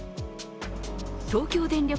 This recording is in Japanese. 東京電力